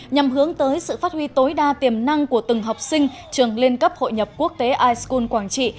nhằm hướng tới sự phát huy tối đa tiềm năng của từng học sinh trường liên cấp hội nhập quốc tế ischool quảng trị